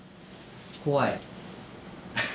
怖い。